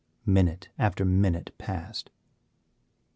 Minute after minute passed.